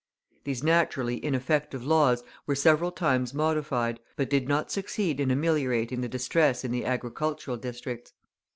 These naturally ineffective laws were several times modified, but did not succeed in ameliorating the distress in the agricultural districts.